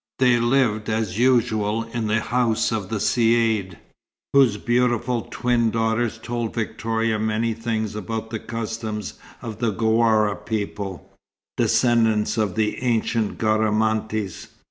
They lived as usual in the house of the Caïd, whose beautiful twin daughters told Victoria many things about the customs of the Ghuâra people, descendants of the ancient Garamantes.